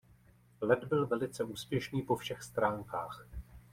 Let byl velice úspěšný po všech stránkách.